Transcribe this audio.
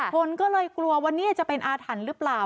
คนก็เลยกลัววันนี้จะเป็นอาถรรพ์หรือเปล่า